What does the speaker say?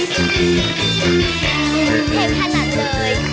ขึ้นอินโทรมานิดกึ่งเลย